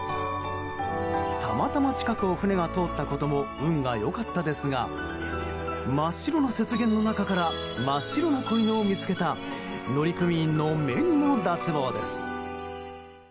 たまたま近くを船が通ったことも運が良かったですが真っ白な雪原の中から真っ白な子犬を見つけた乗組員の目にも脱帽です。